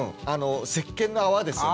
せっけんの泡ですよね。